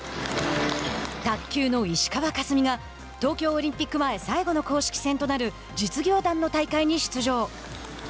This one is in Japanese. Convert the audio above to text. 卓球の石川佳純が東京オリンピック前最後の公式戦となる実業団の大会に出場。